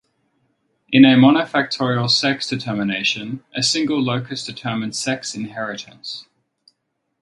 In monofactorial sex determination, a single-locus determines sex inheritance.